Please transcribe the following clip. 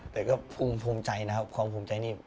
แต่ก็ภูมิใจนะครับความภูมิใจนี่